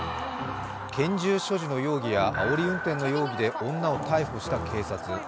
拳銃所持の容疑やあおり運転の容疑で女を逮捕した警察。